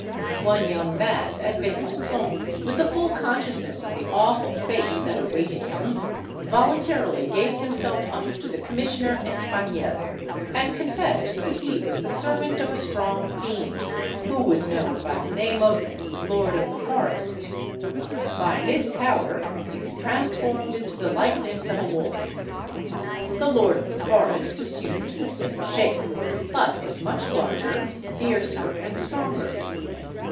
One young man at Besançon, with the full consciousness of the awful fate that awaited him, voluntarily gave himself up to the commissioner Espaignel, and confessed that he was the servant of a strong fiend, who was known by the name of "Lord of the Forests:" by his power he was transformed into the likeness of a wolf. The "Lord of the Forests" assumed the same shape; but was much larger, fiercer, and stronger.